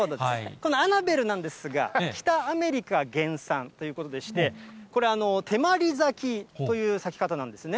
このアナベルなんですが、北アメリカ原産ということでして、これ、手まり咲きという咲き方なんですね。